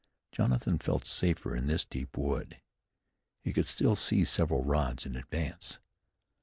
Jonathan felt safer in this deep wood. He could still see several rods in advance.